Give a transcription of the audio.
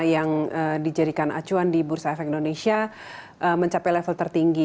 yang dijadikan acuan di bursa efek indonesia mencapai level tertinggi